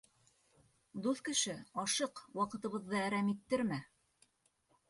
— Дуҫ кеше, ашыҡ, ваҡытыбыҙҙы әрәм иттермә.